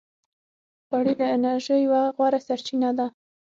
غوړې د انرژۍ یوه غوره سرچینه ده.